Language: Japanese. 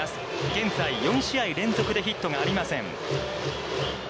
現在４試合連続でヒットがありません。